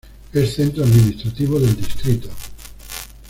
Es centro administrativo del distrito.